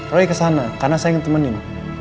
roy kesana karena saya ngetemenin